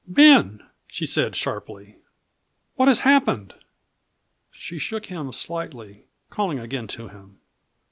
"Ben!" she said sharply. "What has happened?" She shook him slightly, calling again to him.